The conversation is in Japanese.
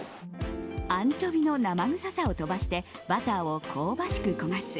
アンチョビの生臭さを飛ばしてバターを香ばしく焦がす。